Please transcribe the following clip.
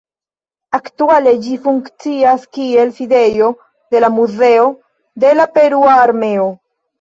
Aktuale ĝi funkcias kiel sidejo de la Muzeo de la Perua Armeo.